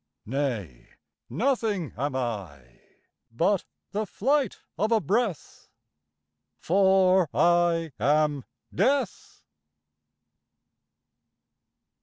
Nay; nothing am I, But the flight of a breath For I am Death!